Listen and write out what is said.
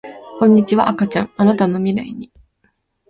こんにちは赤ちゃんあなたの未来に